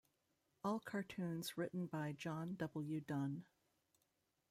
All cartoons written by John W. Dunn.